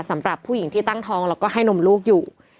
สำหรับผู้หญิงที่ตั้งท้องแล้วก็ให้นมลูกอยู่